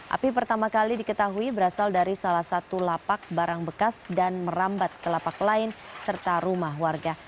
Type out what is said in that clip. api pertama kali diketahui berasal dari salah satu lapak barang bekas dan merambat ke lapak lain serta rumah warga